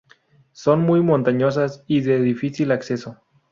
Son muy montañosas y de difícil acceso.